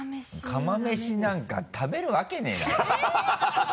釜飯なんか食べるわけねぇだろ。